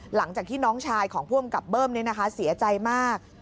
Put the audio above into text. หลังจากที่น้องชายของผู้อำกับเบิ้มเสียใจมาก